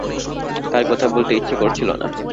তাঁর কথা বলতে ইচ্ছে করছিল না।